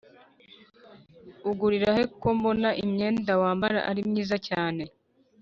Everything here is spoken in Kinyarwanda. ugurirahe kombona imyenda wambara ari myiza cyane